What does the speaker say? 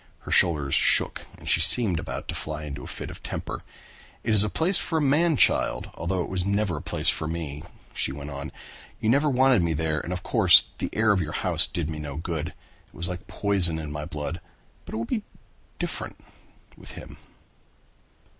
Her shoulders shook and she seemed about to fly into a fit of temper. "It is a place for a man child, although it was never a place for me," she went on. "You never wanted me there and of course the air of your house did me no good. It was like poison in my blood but it will be different with him."